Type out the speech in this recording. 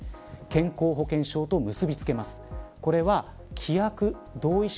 健康保険証と結びつけます。